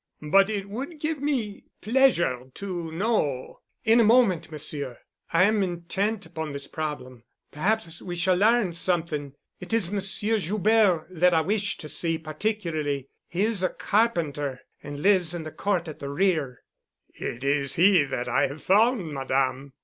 But it would give me pleasure to know——" "In a moment, Monsieur. I am intent upon this problem. Perhaps we shall learn something. It is Monsieur Joubert that I wished to see particularly. He is a carpenter and lives in the court at the rear——" "It is he I have found, Madame."